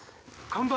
看板？